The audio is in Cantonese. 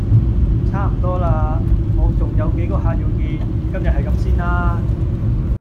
差唔多喇，我重有幾個客要見。今日係咁先啦